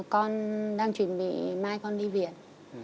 con đang chuẩn bị mai con đi viện